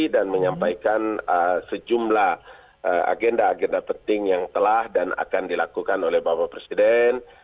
dan menyampaikan sejumlah agenda agenda penting yang telah dan akan dilakukan oleh bapak presiden